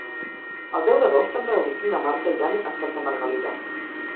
El deu d'agost en Rauric i na Marta iran a Santa Margalida.